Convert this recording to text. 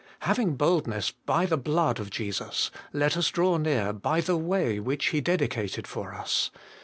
' Having boldness ~by the Uood of Jesus, let us draw near ~by the way which He dedicated for us.'